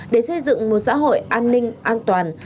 để xây dựng một xã hội an ninh an toàn